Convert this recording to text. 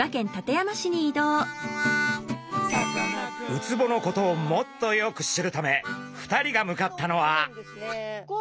ウツボのことをもっとよく知るため２人が向かったのは。